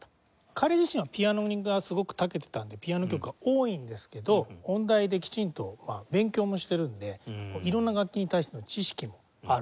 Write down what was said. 彼自身はピアノにすごくたけてたんでピアノ曲は多いんですけど音大できちんと勉強もしてるんで色んな楽器に対しての知識もある。